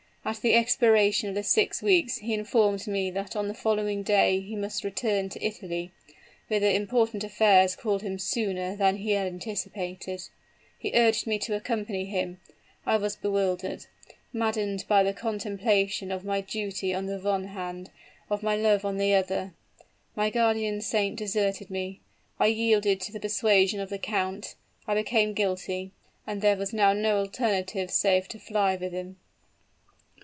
At the expiration of the six weeks he informed me that on the following day he must return to Italy, whither important affairs called him sooner than he had anticipated. He urged me to accompany him; I was bewildered maddened by the contemplation of my duty on the one hand, of my love on the other. My guardian saint deserted me; I yielded to the persuasion of the count I became guilty and there was now no alternative save to fly with him!